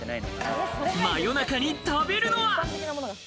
真夜中に食べるのは。